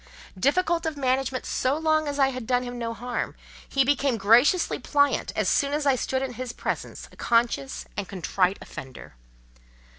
Difficult of management so long as I had done him no harm, he became graciously pliant as soon as I stood in his presence a conscious and contrite offender.